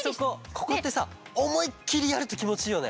ここってさおもいっきりやるときもちいいよね。